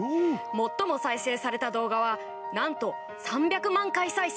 最も再生された動画はなんと３００万回再生。